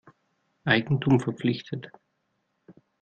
Eigentum verpflichtet.